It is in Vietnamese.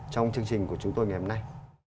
trong chương trình của chúng tôi ngày hôm nay